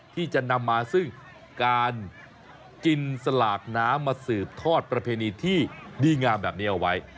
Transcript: ที่จะนำมาซึ่งการกินสลากน้ำมาสืบทอดประเพณีที่ดีงามแบบนี้เอาไว้